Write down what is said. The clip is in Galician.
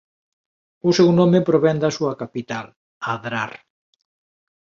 O seu nome provén da súa capital "Adrar".